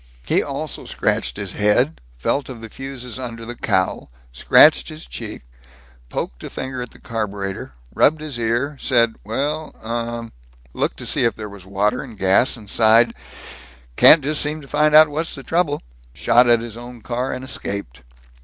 He also scratched his head, felt of the fuses under the cowl, scratched his cheek, poked a finger at the carburetor, rubbed his ear, said, "Well, uh " looked to see if there was water and gas, sighed, "Can't just seem to find out what's the trouble," shot at his own car, and escaped.